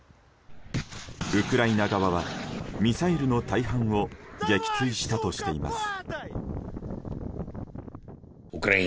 ウクライナ側はミサイルの大半を撃墜したとしています。